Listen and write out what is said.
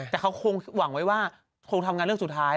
แต่ไว้กันว่าทำงานเลือกสุดท้าย